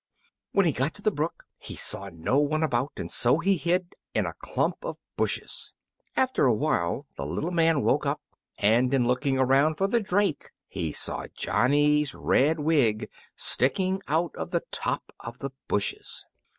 When he got to the brook he saw no one about, and so he hid in a clump of bushes. After a time the little man woke up, and in looking around for the drake he saw Johnny's red wig sticking out of the top of the bushes.